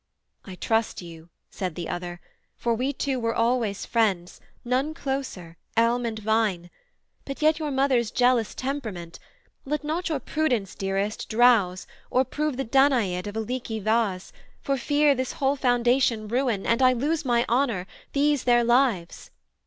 'I trust you,' said the other, 'for we two Were always friends, none closer, elm and vine: But yet your mother's jealous temperament Let not your prudence, dearest, drowse, or prove The Danaïd of a leaky vase, for fear This whole foundation ruin, and I lose My honour, these their lives.'